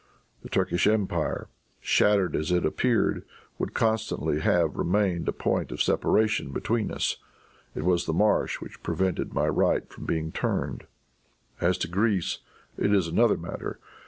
The Turkish empire, shattered as it appeared, would constantly have remained a point of separation between us. It was the marsh which prevented my right from being turned. "As to Greece it is another matter.